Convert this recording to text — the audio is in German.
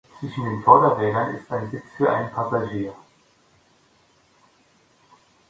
Zwischen den Vorderrädern ist ein Sitz für einen Passagier.